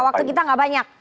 waktu kita gak banyak